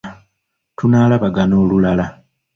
Tunaalabagana olulala.